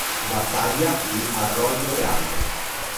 Battaglia di Arroyo Grande